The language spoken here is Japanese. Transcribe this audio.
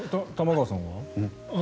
玉川さんは？